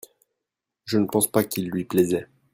je ne pense pas qu'il lui plaisait.